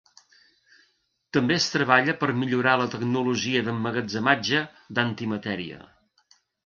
També es treballa per millorar la tecnologia d'emmagatzematge d'antimatèria.